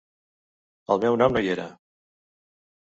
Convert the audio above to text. El meu nom no hi era.